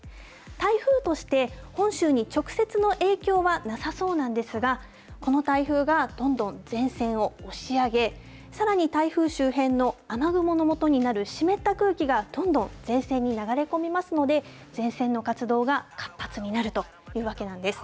台風として本州に直接の影響はなさそうなんですが、この台風がどんどん前線を押し上げ、さらに台風周辺の雨雲のもとになる湿った空気がどんどん前線に流れ込みますので、前線の活動が活発になるというわけなんです。